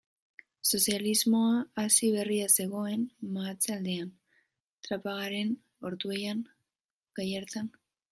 Sozialismoa hasi berria zegoen meatze-aldean, Trapagaranen, Ortuellan, Gallartan.